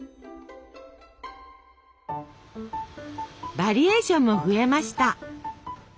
バリエーションも増えました。